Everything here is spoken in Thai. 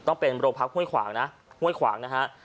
ต้องเป็นโรงพักห้วยขวางนะห้วยขวางนะฮะ